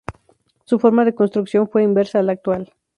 Su forma de construcción fue inversa a la actual.